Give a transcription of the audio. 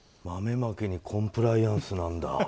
豆まきにコンプライアンスなんだ。